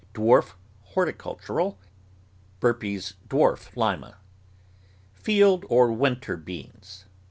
Dwarf Horticultural. Burpee's Dwarf Lima. Small Pea. Field or winter beans.